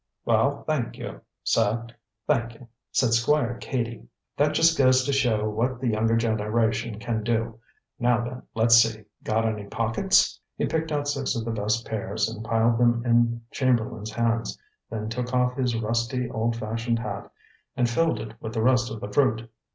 "Well, thank you, sir; thank you," said Squire Cady. "That just goes to show what the younger generation can do. Now then, let's see. Got any pockets?" He picked out six of the best pears and piled them in Chamberlain's hands, then took off his rusty, old fashioned hat and filled it with the rest of the fruit.